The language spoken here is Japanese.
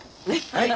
はい！